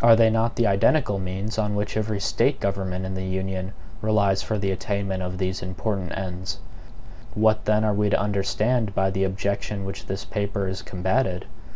Are they not the identical means on which every State government in the Union relies for the attainment of these important ends? What then are we to understand by the objection which this paper has combated?